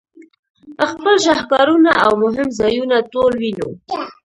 خپل شهکارونه او مهم ځایونه ټول وینو.